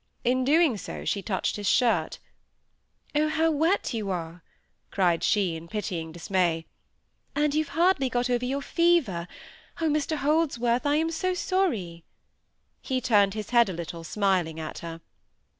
In doing so she touched his shirt. "Oh, how wet you are!" she cried, in pitying dismay; "and you've hardly got over your fever! Oh, Mr Holdsworth, I am so sorry!" He turned his head a little, smiling at her.